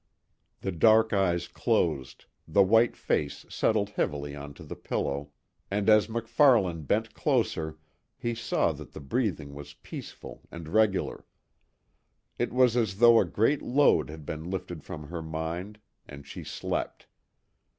The dark eyes closed, the white face settled heavily onto the pillow, and as MacFarlane bent closer he saw that the breathing was peaceful and regular. It was as though a great load had been lifted from her mind, and she slept.